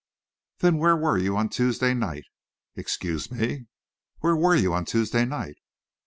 "Then where were you on Tuesday night?" "Excuse me?" "Where were you on Tuesday night?"